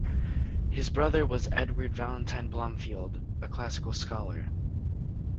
His brother was Edward Valentine Blomfield a classical scholar.